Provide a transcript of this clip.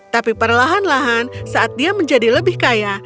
tapi perlahan lahan saat dia menjadi lebih kaya